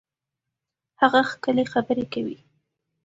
هغه ښکلي خبري کوي.